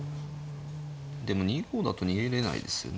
でも２五だと逃げれないですよね。